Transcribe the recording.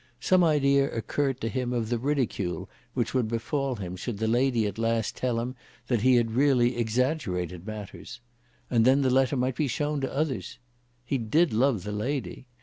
Some idea occurred to him of the ridicule which would befall him should the lady at last tell him that he had really exaggerated matters. And then the letter might be shown to others. He did love the lady.